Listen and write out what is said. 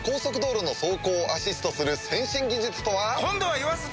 今度は言わせて！